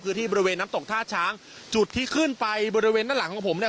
คือที่บริเวณน้ำตกท่าช้างจุดที่ขึ้นไปบริเวณด้านหลังของผมเนี่ย